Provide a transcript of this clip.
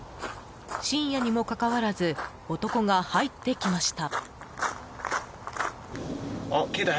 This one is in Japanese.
深夜にもかかわらず男が入ってきました。